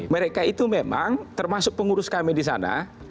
mereka itu memang termasuk pengurus kami di sana